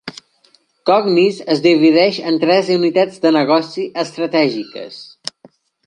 Cognis es divideix en tres unitats de negoci estratègiques.